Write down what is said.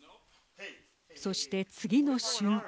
そして次の瞬間。